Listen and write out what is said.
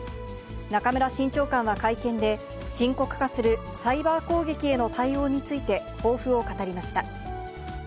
中村新長官は会見で、深刻化するサイバー攻撃への対応について抱負を語りました。